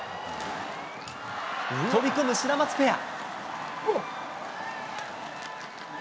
飛び込むシダマツペア。